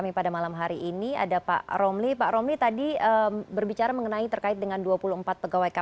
kita akan sampaikan nanti di segmen selanjutnya